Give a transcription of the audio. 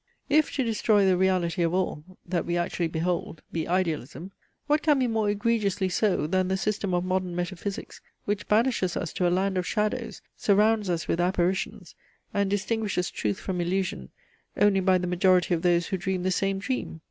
If to destroy the reality of all, that we actually behold, be idealism, what can be more egregiously so, than the system of modern metaphysics, which banishes us to a land of shadows, surrounds us with apparitions, and distinguishes truth from illusion only by the majority of those who dream the same dream?